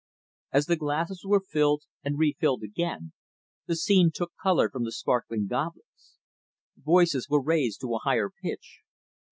As the glasses were filled and refilled again, the scene took color from the sparkling goblets. Voices were raised to a higher pitch.